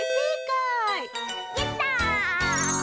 やった！